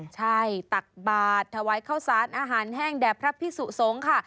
ใช่ตักบาทถวายข้าวสารอาหารแห้งแด่พระพิสุสงฆ์ค่ะ